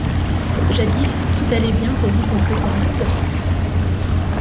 Jadis tout allait bien pourvu qu'on, se tînt coi.